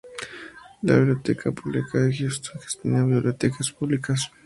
La Biblioteca Pública de Houston gestiona bibliotecas públicas.